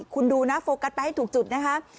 คุณดูนะโฟกัสไปให้ถูกจุดนะคะ